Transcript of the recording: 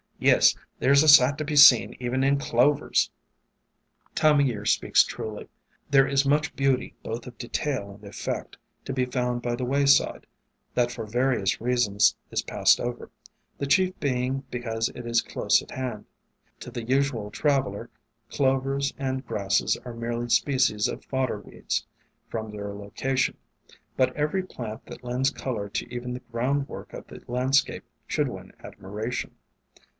Yes, there 's a sight to be seen even in Clovers !" Time o' Year speaks truly; there is much beauty both of detail and effect to be found by the way side, that for various reasons is passed over, the chief being because it is close at hand. To the usual traveller Clovers and grasses are merely species of fodder weeds, from their location; but every plant that lends color to even the ground work of the landscape should win admiration.